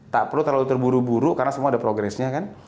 tak perlu terlalu terburu buru karena semua ada progresnya kan